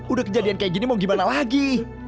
udah kejadian kayak gini mau gimana lagi